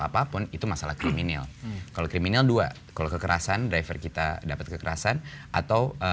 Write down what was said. apapun itu masalah krim ini kalau krim ini dua kalau kekerasan driver kita dapat kekerasan atau